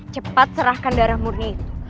cepat serahkan darah murni itu